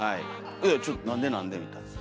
「いやちょっとなんでなんで？」みたいな。